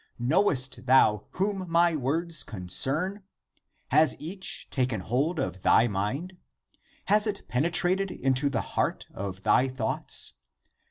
Knowest thou whom my words concern? Has each taken hold of thy mind? Has it penetrated into the heart of thy thoughts?